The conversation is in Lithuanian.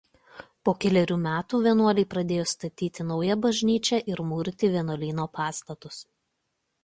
Po kelerių metų vienuoliai pradėjo statyti naują bažnyčią ir mūryti vienuolyno pastatus.